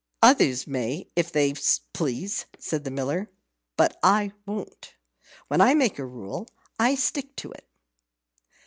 "Others may if they please," said the Miller; "but I won't. When I make a rule, I stick to it."